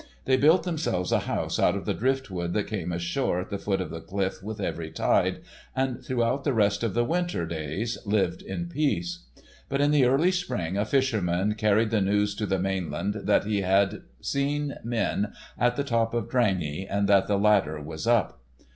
They built themselves a house out of the driftwood that came ashore at the foot of the cliff with every tide, and throughout the rest of the winter days lived in peace. But in the early spring a fisherman carried the news to the mainland that he had seen men on the top of Drangey, and that the ladder was up.